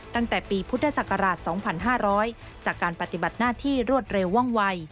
ตั้งแต่ปีพุทธศักราช๒๕๐๐จากการปฏิบัติหน้าที่รวดเร็วว่องวัย